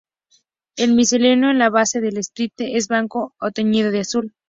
El micelio en la base del estípite es blanco o teñido de azul.